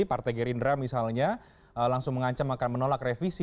partai gerindra misalnya langsung mengancam akan menolak revisi